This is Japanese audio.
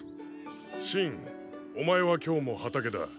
シンお前は今日も畑だ。